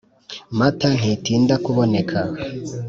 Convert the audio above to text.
Mata ntitinda kuboneka